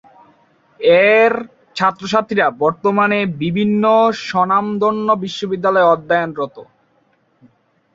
এর ছাত্রছাত্রীরা বর্তমানে বিভিন্ন স্বনামধন্য বিশ্ববিদ্যালয়ে অধ্যয়নরত।